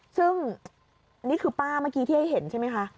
ซึ่งนี่คือป้าเมื่อกี้ที่ให้เห็นใช่ไหมคะ